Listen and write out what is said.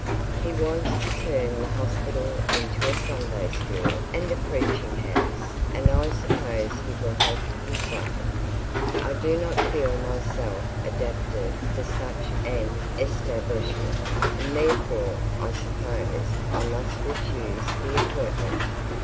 'He wants to turn the hospital into a Sunday school and a preaching house; and I suppose he will have his way. I do not feel myself adapted for such an establishment, and therefore, I suppose, I must refuse the appointment.'